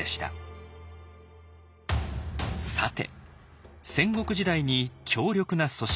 さて戦国時代に強力な組織